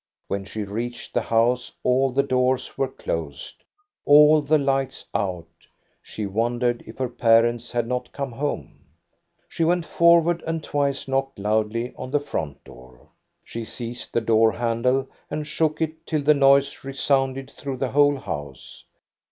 When she reached the house all the doors were closed, all the lights out; she wondered if her parents had not come home. She went forward and twice knocked loudly on the front door. She seized the door handle and shook it till the noise resounded through the whole house.